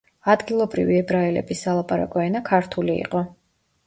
ადგილობრივი ებრაელების სალაპარაკო ენა ქართული იყო.